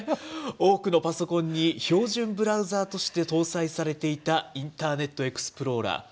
多くのパソコンに標準ブラウザーとして搭載されていたインターネットエクスプローラー。